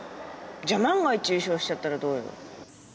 じゃあ万が一優勝しちゃったらどうよ？